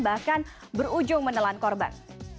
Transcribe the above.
bahkan berujung menelan korban